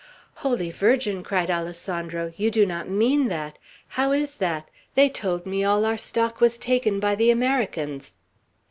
"Holy Virgin!" cried Alessandro, "you do not mean that! How is that? They told me all our stock was taken by the Americans."